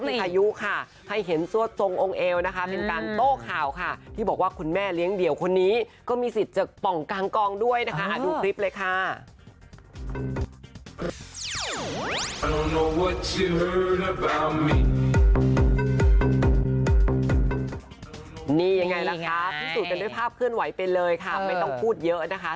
นี่ไงล่ะคะพิสูจน์กันด้วยภาพเคลื่อนไหวไปเลยค่ะไม่ต้องพูดเยอะนะคะ